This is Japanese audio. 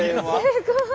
すごい。